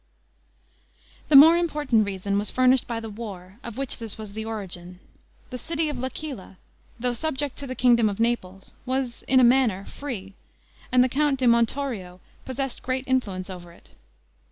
The more important reason was furnished by the war, of which this was the origin. The city of L'Aquila, though subject to the kingdom of Naples, was in a manner free; and the Count di Montorio possessed great influence over it.